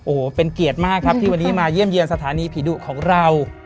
โอ้โหเป็นเกียรติมากครับที่วันนี้มาเยี่ยมเยี่ยมสถานีผีดุของเรา